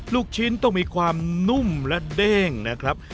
ลูกชิ้นต้องมีความนุ่มและเด้งนะครับ